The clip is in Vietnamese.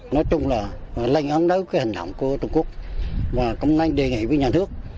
nói chung là lành ấn đấu hành động của trung quốc và cũng lành đề nghị với nhà nước